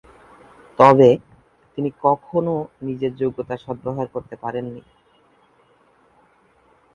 তবে, তিনি কখনো নিজের যোগ্যতার সদ্ব্যবহার করতে পারেননি।